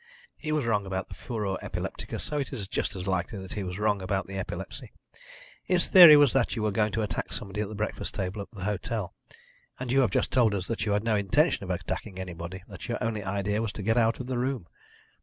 "He was wrong about the furor epilepticus, so it is just as likely that he was wrong about the epilepsy. His theory was that you were going to attack somebody at the breakfast table of the hotel, and you have just told us that you had no intention of attacking anybody that your only idea was to get out of the room.